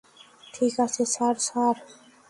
ঠিক আছে, sir -sir?